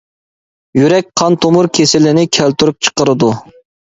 يۈرەك قان تومۇر كېسىلىنى كەلتۈرۈپ چىقىرىدۇ.